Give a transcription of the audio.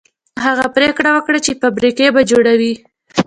هغه پرېکړه وکړه چې فابريکې به جوړوي.